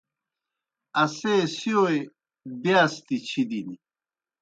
اسے سِیؤئے بِیاستِیْ چِھدِن۔